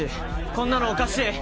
こんなのおかしい！